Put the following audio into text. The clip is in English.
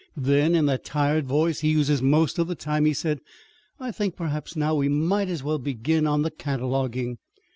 Then, in that tired voice he uses most of the time, he said: 'I think perhaps now, we might as well begin on the cataloguing.